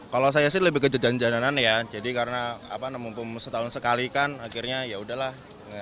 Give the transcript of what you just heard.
kalau saya sih lebih ke jajanan jajanan ya jadi karena mumpung setahun sekali kan akhirnya yaudahlah